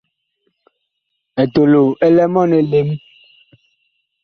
Etolo ɛ lɛ mɔɔn elem.